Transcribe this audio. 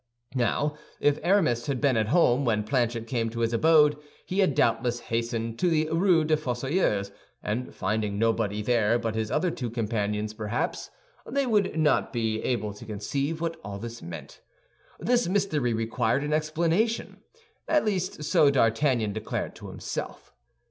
Now, if Aramis had been at home when Planchet came to his abode, he had doubtless hastened to the Rue des Fossoyeurs, and finding nobody there but his other two companions perhaps, they would not be able to conceive what all this meant. This mystery required an explanation; at least, so D'Artagnan declared to himself.